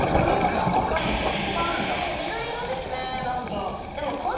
でも緑色ですね何か。